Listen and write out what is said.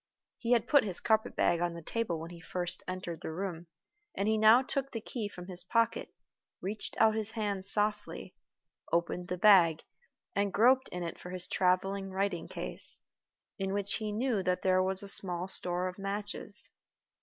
He had put his carpet bag on the table when he first entered the room, and he now took the key from his pocket, reached out his hand softly, opened the bag, and groped in it for his traveling writing case, in which he knew that there was a small store of matches.